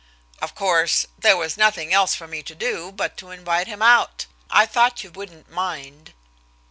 Of course, there was nothing else for me to do but to invite him out. I thought you wouldn't mind."